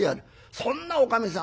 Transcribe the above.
そんなおかみさん